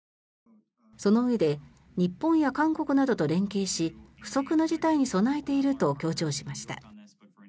そのうえで日本や韓国などと連携し不測の事態に備えていると強調しました。